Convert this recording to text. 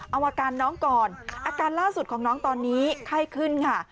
เอาอาการน้องก่อนอาการล่าสุดของน้องตอนนี้ไข้ขึ้นค่ะ